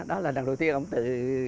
đó là lần đầu tiên ông tự